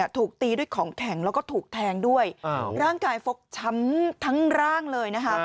ถูกตีด้วยของแข็งแล้วก็ถูกแทงด้วยร่างกายฟกช้ำทั้งร่างเลยนะคะ